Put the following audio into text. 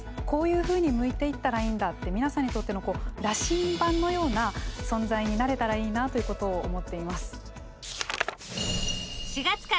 こういうふうに向いていったらいいんだって、皆さんにとっての羅針盤のような存在になれたらいいなってことを思っています。